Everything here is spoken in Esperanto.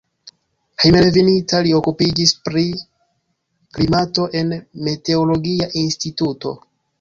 Hejmenveninta li okupiĝis pri klimato en meteologia instituto.